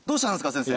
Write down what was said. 先生。